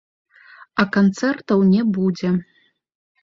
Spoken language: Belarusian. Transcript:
А канцэртаў не будзе.